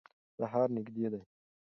سهار نږدې دی.